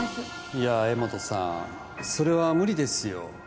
いや江本さんそれは無理ですよ